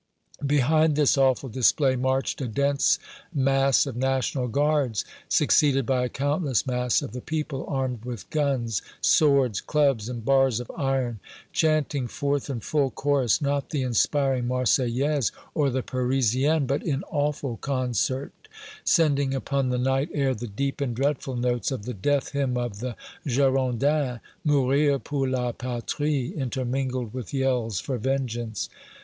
Behind this awful display marched a dense mass of National Guards, succeeded by a countless mass of the people armed with, guns, swords, clubs and bars of iron, chanting forth in full chorus, not the inspiring Marseillaise or the Parisienne, but in awful concert sending upon the night air the deep and dreadful notes of the death hymn of the Girondins, "Mourir pour la Patrie," intermingled with yells for vengeance.